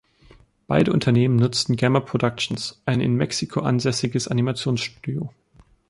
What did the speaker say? Beide Unternehmen nutzten Gamma Productions, ein in Mexiko ansässiges Animationsstudio.